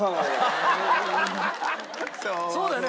そうだよね。